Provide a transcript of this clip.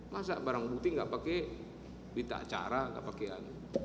masa barang bukti enggak pakai binta acara enggak pakai anu